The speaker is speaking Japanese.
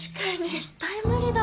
絶対無理だわ。